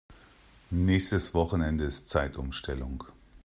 Nächstes Wochenende ist Zeitumstellung.